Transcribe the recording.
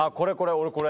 俺これ。